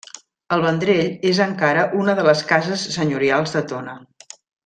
El Vendrell és encara una de les cases senyorials de Tona.